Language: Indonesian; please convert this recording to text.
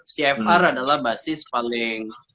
cfr adalah basis paling